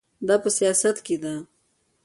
دا په سیاست کې ده.